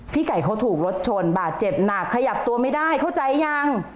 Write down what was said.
ไก่เขาถูกรถชนบาดเจ็บหนักขยับตัวไม่ได้เข้าใจยัง